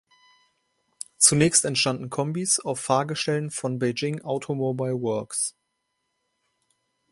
Zunächst entstanden Kombis auf Fahrgestellen von Beijing Automobile Works.